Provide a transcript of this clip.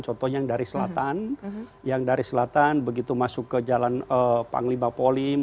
contohnya yang dari selatan yang dari selatan begitu masuk ke jalan panglima polim